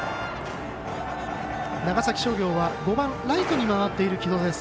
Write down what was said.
長崎商業は５番ライトに回っている城戸です。